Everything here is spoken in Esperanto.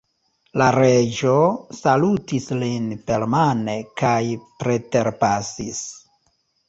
La Reĝo salutis lin permane kaj preterpasis.